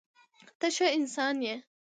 ته ښه انسان یې.